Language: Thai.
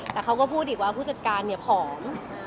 แต่เขาก็พูดอีกว่าผู้จัดการเนี่ยผอม